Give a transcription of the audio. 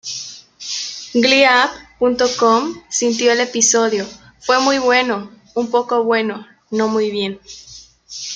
Gleehab.com sintió el episodio: "fue muy bueno, Un poco bueno, No muy bien".